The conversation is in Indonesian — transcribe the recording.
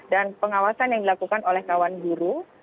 dan pengawasan yang dilakukan oleh kawan guru